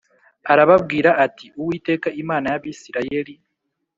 arababwira ati uwiteka imana y abisirayeli